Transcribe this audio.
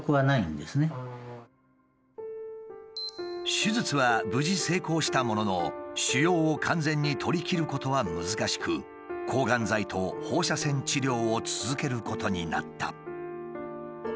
手術は無事成功したものの腫瘍を完全に取りきることは難しく抗がん剤と放射線治療を続けることになった。